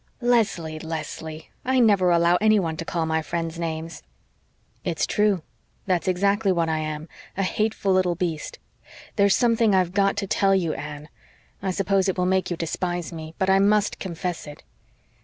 "Leslie! Leslie! I never allow anyone to call my friends names." "It's true. That's exactly what I am a hateful little beast. There's something I've GOT to tell you, Anne. I suppose it will make you despise me, but I MUST confess it.